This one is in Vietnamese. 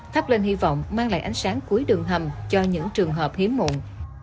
thắp lên hy vọng mang lại ánh sáng cuối đường hầm cho những trường hợp hiếm muộn